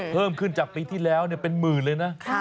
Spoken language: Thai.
เพิ่มขึ้นจากปีที่แล้วเป็นหมื่นเลยนะ